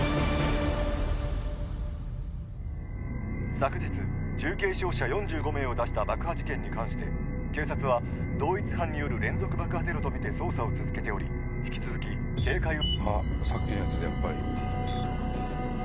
昨日重軽傷者４５名を出した爆破事件に関して警察は同一犯による連続爆破テロとみて捜査を続けており引き続き警戒を。